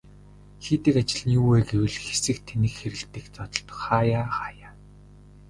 Хийдэг ажил нь юу вэ гэвэл хэсэх, тэнэх хэрэлдэх, зодолдох хааяа хааяа.